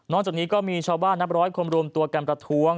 จากนี้ก็มีชาวบ้านนับร้อยคนรวมตัวกันประท้วง